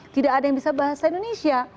tidak ada yang bisa bahasa indonesia